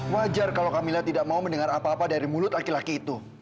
wajar kalau kami lihat tidak mau mendengar apa apa dari mulut laki laki itu